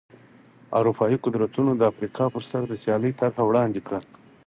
اروپايي قدرتونو د افریقا پر سر د سیالۍ طرحه وړاندې کړه.